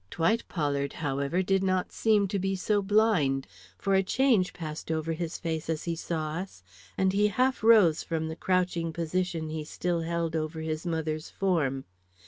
Dwight Pollard, however, did not seem to be so blind, for a change passed over his face as he saw us, and he half rose from the crouching position he still held over his mother's form.